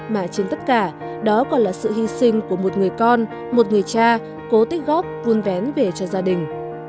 mà trên tất cả đó còn là sự hy sinh của một người con một người cha cố tích góp vuôn vén về cho gia đình